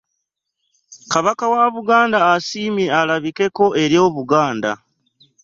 Kabaka wa Buganda asiimye alabikeko eri Obuganda.